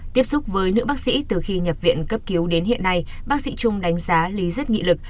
tiếp xúc với nữ bác sĩ từ khi nhập viện cấp cứu đến hiện nay bác sĩ trung đánh giá lý rất nghị lực